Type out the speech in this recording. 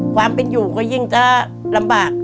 ความเป็นอยู่ก็ยิ่งจะลำบาก